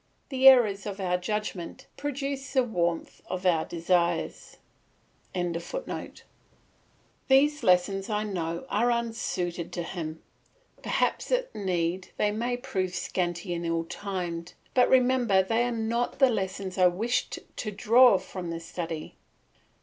The errors of our judgment produce the warmth of our desires.] These lessons, I know, are unsuited to him, perhaps at need they may prove scanty and ill timed; but remember they are not the lessons I wished to draw from this study.